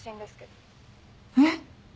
えっ？